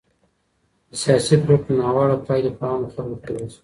د سياسي پرېکړو ناوړه پايلې په عامو خلګو پرېوځي.